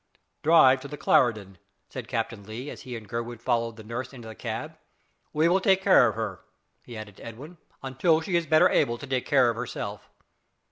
"Drive to the Clarendon," said Captain Lee, as he and Gurwood followed the nurse into the cab; "we will take care of her," he added to Edwin, "till she is better able to take care of herself."